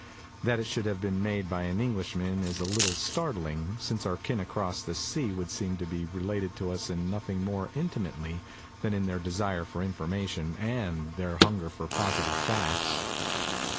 That it should have been made by an English man is a little startling, since our kin across the sea would seem to be related to us in nothing more intimately than in their desire for informa tion and their hunger for positive facts.